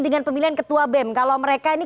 dengan pemilihan ketua bem kalau mereka ini